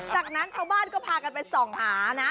จากนั้นชาวบ้านก็พากันไปส่องหานะ